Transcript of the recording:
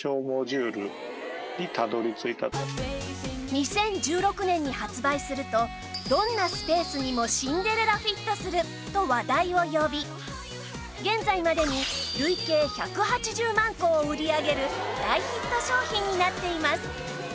２０１６年に発売するとどんなスペースにもシンデレラフィットすると話題を呼び現在までに累計１８０万個を売り上げる大ヒット商品になっています